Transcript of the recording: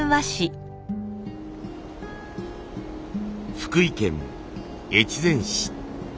福井県越前市。